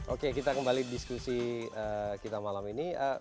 oke kita kembali diskusi kita malam ini